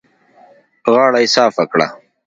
غاړه يې صافه کړه.